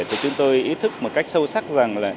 thì chúng tôi ý thức một cách sâu sắc rằng là